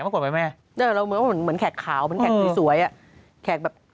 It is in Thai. มันกว่าไหมแม่เออเราเหมือนแขกขาวเหมือนแขกสวยอ่ะแขกแบบ